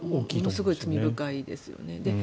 ものすごい罪深いですよね。